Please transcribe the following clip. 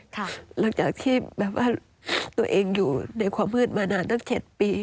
หลังจากที่แบบว่าตัวเองอยู่ในความมืดมานานตั้ง๗ปี